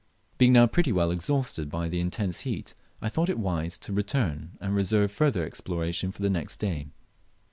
Being now pretty well exhausted by the intense heat, I thought it wise to return and reserve further exploration for the next day.